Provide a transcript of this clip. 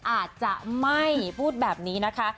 อาจจะไม่พูดแบบนี้นะคะ